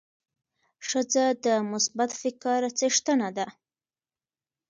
ښځه د مثبت فکر څښتنه ده.